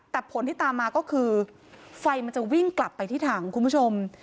แต่ผลที่ตามมาก็คือไฟมันจะวิ่งกลับไปที่ถังคุณผู้ชม